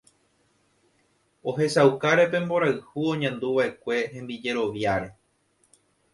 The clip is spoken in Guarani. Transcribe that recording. ohechaukáre pe mborayhu oñanduva'ekue hembijeroviáre